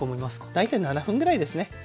大体７分ぐらいですね。